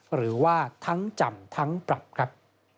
หรือว่าทั้งจำทั้งปรับครับ